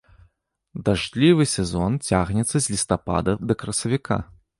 Дажджлівы сезон цягнецца з лістапада да красавіка.